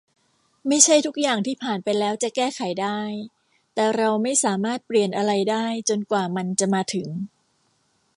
ไม่ใช่ทุกอย่างที่ผ่านไปแล้วจะแก้ไขได้ แต่เราไม่สามารถเปลี่ยนอะไรได้จนกว่ามันจะมาถึง